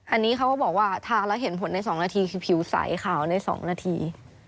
อันนี้เขาก็บอกว่าทานแล้วเห็นผลใน๒นาทีคือผิวใสขาวใน๒นาที